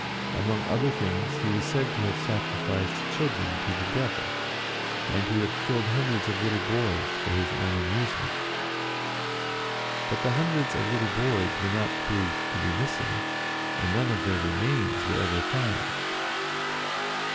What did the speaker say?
Among other things, 104 JOAN OF ARC he was said to have sacrificed children to the devil, and to have killed hundreds of little boys for his own amusement. But hundreds of little boys were not proved to be missing, and none of their remains were ever found.